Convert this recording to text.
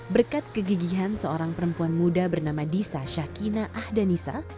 berkat kegigihan seorang perempuan muda bernama disa syakina ahdanisa